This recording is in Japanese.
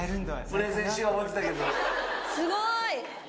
すごーい！